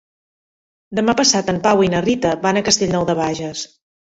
Demà passat en Pau i na Rita van a Castellnou de Bages.